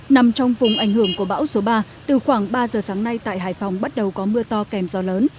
nằm trong vùng ảnh hưởng của bão số ba từ khoảng ba giờ sáng nay tại hải phòng bắt đầu có mưa to kèm gió lớn